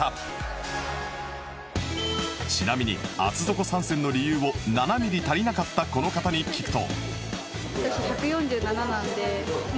ちなみに厚底参戦の理由を７ミリ足りなかったこの方に聞くと